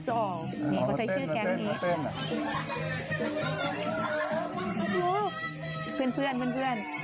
สวัสดีครับ